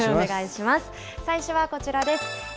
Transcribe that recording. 最初はこちらです。